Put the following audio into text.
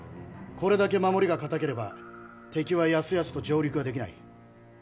これだけ守りが堅ければ敵はやすやすと上陸はできない。